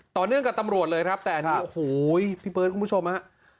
ต่อเนื่องกับตำรวจเลยครับแต่อันนี้โอ้โหพี่เบิร์ดคุณผู้ชมฮะ